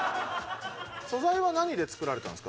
素材は何で作られたんですか？